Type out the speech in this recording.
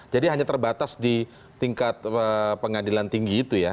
jadi hanya terbatas di tingkat pengadilan tinggi itu ya